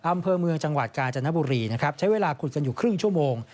อำเภอเมืองจังหวัดกาญจนบุรีนะครับใช้เวลาขุดกันอยู่ครึ่งชั่วโมง